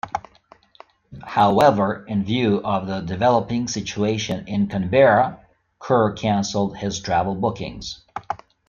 However, in view of the developing situation in Canberra, Kerr cancelled his travel bookings.